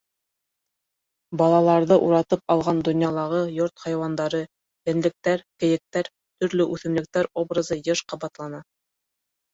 Балаларҙы уратып алған донъялағы йорт хайуандары, йәнлектәр, кейектәр, төрлө үҫемлектәр образы йыш ҡабатлана.